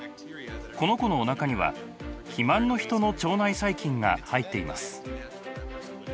この子のおなかには肥満のヒトの腸内細菌が入っています。